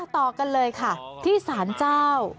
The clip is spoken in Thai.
ต่อกันเลยค่ะที่สารเจ้า